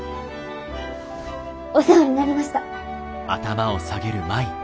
お世話になりました。